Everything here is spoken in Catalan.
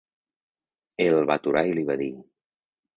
...el va aturar i li va dir: